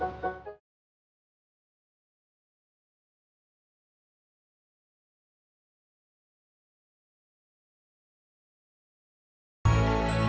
tersebut lagi tolong